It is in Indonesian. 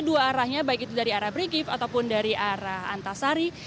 dua arahnya baik itu dari arah brigif ataupun dari arah antasari